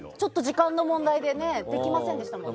時間の問題でできませんでしたもんね。